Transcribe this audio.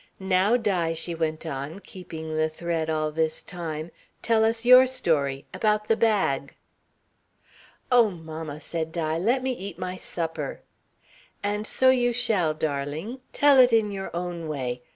"Now, Di," she went on, keeping the thread all this time. "Tell us your story. About the bag." "Oh, mamma," said Di, "let me eat my supper." "And so you shall, darling. Tell it in your own way.